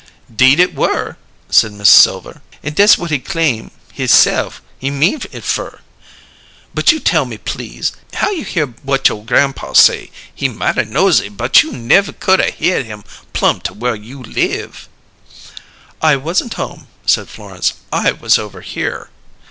"'Deed it were!" said Mrs. Silver. "An' dess whut he claim hisse'f he mean it fer! But you tell me, please, how you hear whut you' grampaw say? He mighty noisy, but you nev' could a hear him plumb to whur you live." "I wasn't home," said Florence. "I was over here."